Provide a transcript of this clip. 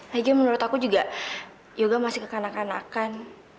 hanya menurut aku juga yoga masih kekanakan kanakan